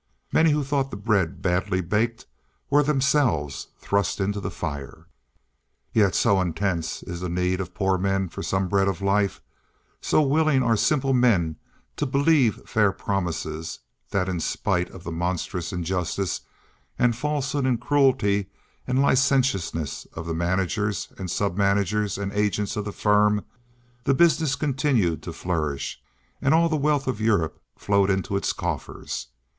Many who thought the bread badly baked were themselves thrust into the fire. Yet so intense is the need of poor men for some bread of life, so willing are simple men to believe fair promises, that, in spite of the monstrous injustice and falsehood and cruelty and licentiousness of the managers and submanagers and agents of the firm, the business continued to flourish, and all the wealth of Europe flowed into its coffers.